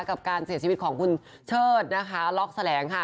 กับการเสียชีวิตของคุณเชิดนะคะล็อกแสลงค่ะ